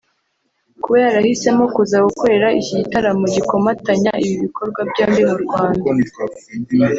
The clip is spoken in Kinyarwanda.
Kuba yarahisemo kuza gukorera iki gitaramo gikomatanya ibi bikorwa byombi mu Rwanda